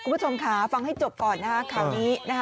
คุณผู้ชมค่ะฟังให้จบก่อนนะคะข่าวนี้นะคะ